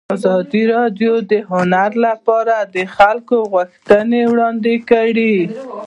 ازادي راډیو د هنر لپاره د خلکو غوښتنې وړاندې کړي.